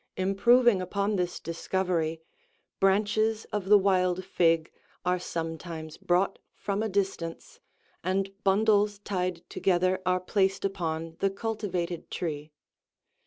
Improving upon this discovery, branches of the wild fig are sometimes brought from a distance, and bundles tied together are placed upon the cultivated tree.